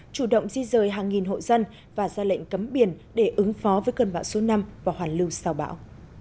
chủ động di rời hàng nghìn hộ dân và ra lệnh cấm biển để ứng phó với cơn bão số năm và hoàn lưu sau bão